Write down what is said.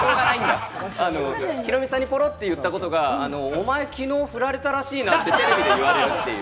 ヒロミさんにポロッて言ったことがお前きのう振られたらしいなってテレビで言われるという。